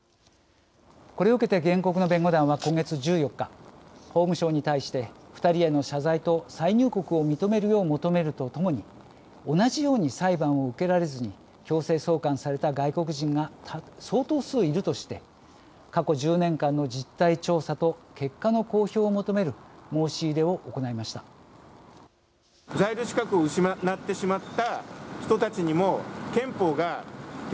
これを受けて原告の弁護団は今月１４日法務省に対して２人への謝罪と再入国を認めるよう求めるとともに同じように裁判を受けられずに強制送還された外国人が相当数いるとして過去１０年間の実態調査と結果の公表を求める申し入れを行いました。